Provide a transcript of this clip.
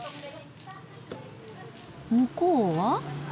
向こうは？